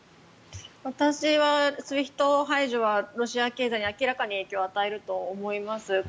私はＳＷＩＦＴ排除はロシア経済に明らかに影響を与えると思います。